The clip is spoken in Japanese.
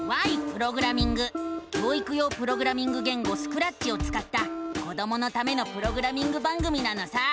教育用プログラミング言語「スクラッチ」をつかった子どものためのプログラミング番組なのさ！